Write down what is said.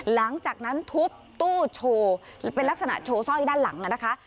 หลังจากนั้นทุบตู้โชว์เป็นลักษณะโชว์สร้อยด้านหลังนะคะ